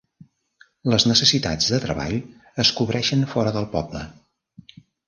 Les necessitats de treball es cobreixen fora del poble.